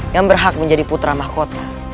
yang berhak menjadi putra mahkota